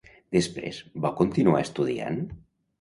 Després va continuar estudiant?